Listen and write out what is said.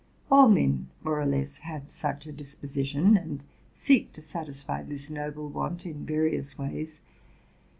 All men, more or less, have such a disposition, and seek to satisfy this noble want in various ways.